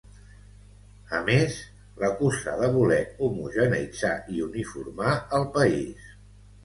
A més, l’acusa de voler homogeneïtzar i uniformar el país.